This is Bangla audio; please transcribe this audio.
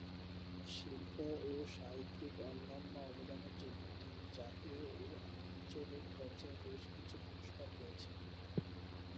শিল্প ও সাহিত্যে অনন্য অবদানের জন্য তিনি জাতীয় ও আঞ্চলিক পর্যায়ে বেশ কিছু পুরস্কার পেয়েছেন।